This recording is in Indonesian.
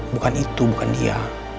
bukan itu bukan dia